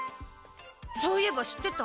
そういえば知ってた？